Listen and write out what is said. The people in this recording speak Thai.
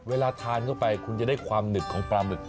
เวลาทานเข้าไปคุณจะได้ความหนึบของปลาหมึก